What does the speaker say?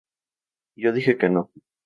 Yo dije que no.